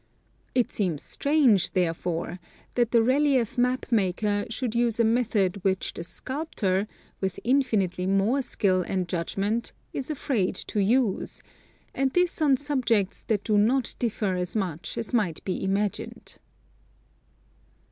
I]t seems strange, therefore, that the relief map maker should use a method which the sculptor, with infinitely more skill and judg ment, is afraid to use; and this on subjects that do not differ as much as might be imagined.